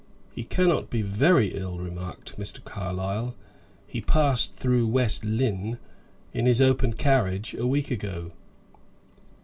"He cannot be very ill," remarked Mr. Carlyle; "he passed through West Lynne, in his open carriage, a week ago."